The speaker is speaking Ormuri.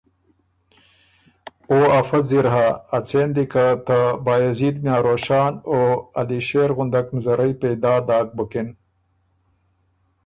”او افۀ ځِر هۀ اڅېن دی که ته بایزید میاں روشان او علی شېر غُندک مزرئ پېدا داک بُکِن